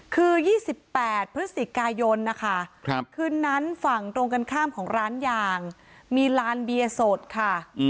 คือ๒๘พฤศจิกายนนะคะคืนนั้นฝั่งตรงกันข้ามของร้านยางมีลานเบียร์สดค่ะ